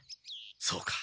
そうか。